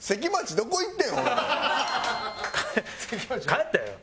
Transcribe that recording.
帰ったよ